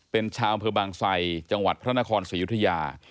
เป็นชาวอำเภอบางไซจังหวัดพระนครศรียุธยา